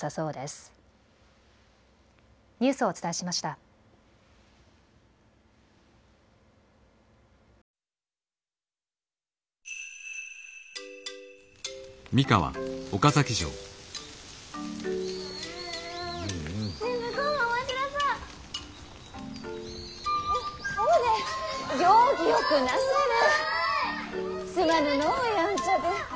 すまぬのうやんちゃで。